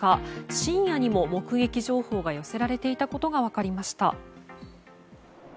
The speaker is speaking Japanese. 深夜にも目撃情報が寄せられていたことが分かりました。